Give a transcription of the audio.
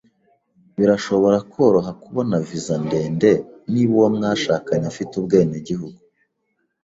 Birashobora koroha kubona viza ndende niba uwo mwashakanye afite ubwenegihugu.